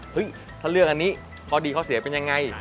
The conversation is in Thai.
ถ้าเลือกอันนี้ข้อดีข้อเสียเป็นยังไง